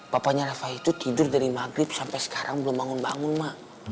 papanya rafa itu tidur dari maghrib sampai sekarang belum bangun bangun mak